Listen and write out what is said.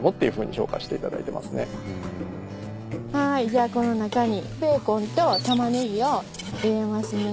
じゃあこの中にベーコンとタマネギを入れますね。